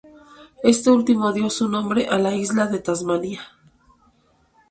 Este último dio su nombre a la isla de Tasmania.